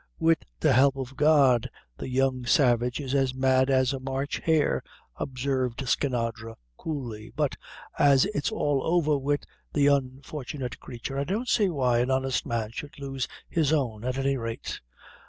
"Wid the help o' God, the young savage is as mad as a March hare," observed Skinadre, coolly; "but, as it's all over wid the unfortunate crature, I don't see why an honest man should lose his own, at any rate."